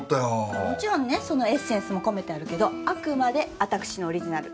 もちろんねそのエッセンスも込めてあるけどあくまで私のオリジナル。